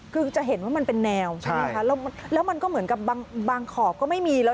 คือจะเห็นว่ามันเป็นแนวใช่ไหมคะแล้วมันก็เหมือนกับบางขอบก็ไม่มีแล้ว